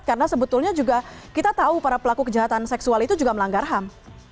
karena sebetulnya juga kita tahu para pelaku kejahatan seksual itu juga melanggar ham